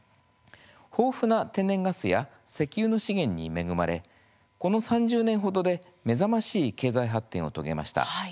豊富な天然ガスや石油の資源に恵まれこの３０年程で目覚ましい経済発展を遂げました。